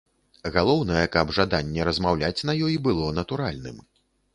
Галоўнае, каб жаданне размаўляць на ёй было натуральным.